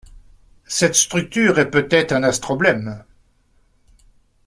Cette structure est peut-être un astroblème.